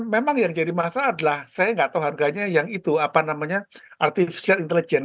memang yang jadi masalah adalah saya nggak tahu harganya yang itu apa namanya artificial intelligence